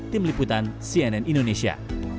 tim liputan cnn indonesia